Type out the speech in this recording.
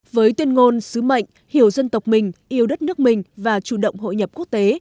với tuyên ngôn sứ mệnh hiểu dân tộc mình yêu đất nước mình và chủ động hội nhập quốc tế